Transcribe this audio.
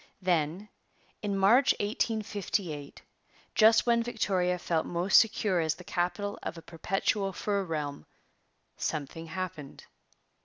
Then, in March 1858, just when Victoria felt most secure as the capital of a perpetual fur realm, something happened.